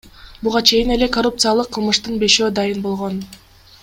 Буга чейин эле коррупциялык кылмыштын бешөө дайын болгон.